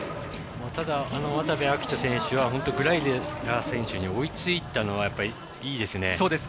渡部暁斗選手はグライデラー選手に追いついたのは、いいですね。